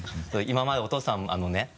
今までお父さんあのね。